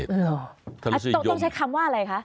ต้องใช้คำว่าอะไรคะอธถ้ารสินิยมต้องใช้คำว่าอะไรคะ